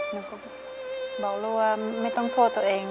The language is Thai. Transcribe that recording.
หนูก็บอกลูกว่าไม่ต้องโทษตัวเอง